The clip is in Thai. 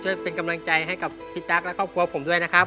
เป็นกำลังใจให้กับพี่ตั๊กและครอบครัวผมด้วยนะครับ